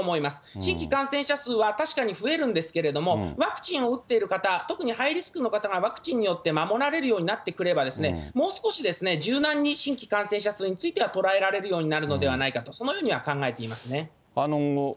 新規感染者数は確かに増えるんですけれども、ワクチンを打っている方、特にハイリスクの方がワクチンによって守られるようになってくれば、もう少し柔軟に新規感染者数については捉えられるようになるのではないかと、そのようには考えていますね。